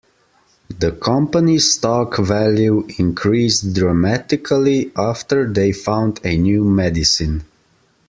The company's stock value increased dramatically after they found a new medicine.